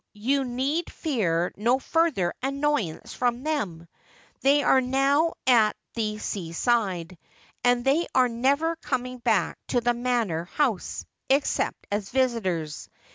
You need fear no further annoyance from them. They are now at the s..a side ; and they are never coming back to the Manor House, except as visitors.